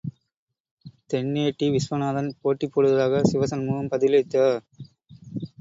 தென்னேட்டி விஸ்வநாதன் போட்டி போடுவதாக சிவசண்முகம் பதிலளித்தார்.